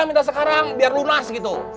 minta sekarang biar lunas gitu